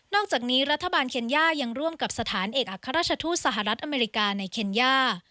อกจากนี้รัฐบาลเคนย่ายังร่วมกับสถานเอกอัครราชทูตสหรัฐอเมริกาในเคนย่า